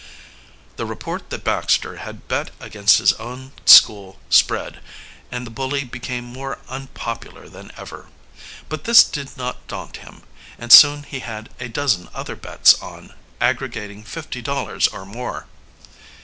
The report that Baxter had bet against his own school spread, and the bully became more unpopular than ever. But this did not daunt him, and soon he had a dozen other bets on, aggregating fifty dollars or more.